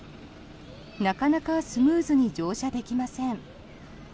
なかなかスムーズに乗車できません。